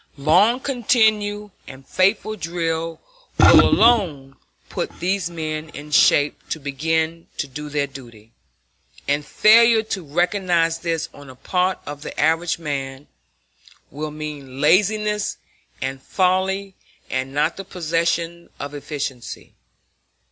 Long continued and faithful drill will alone put these men in shape to begin to do their duty, and failure to recognize this on the part of the average man will mean laziness and folly and not the possession of efficiency.